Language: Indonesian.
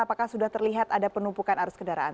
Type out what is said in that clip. apakah sudah terlihat ada penumpukan arus kendaraan